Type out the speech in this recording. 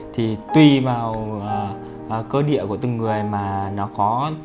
thì tùy vào cơ địa của từng người mà nó có